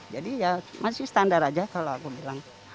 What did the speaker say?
jadi ya masih standar aja kalau aku bilang